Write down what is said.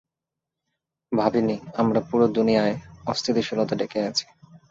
ভাবিনি, আমরা পুরো দুনিয়ায় অস্থিতিশীলতা ডেকে এনেছি।